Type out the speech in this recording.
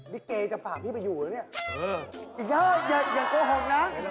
นี่แก่จะฝากพี่ไปอยู่หรือยังนี่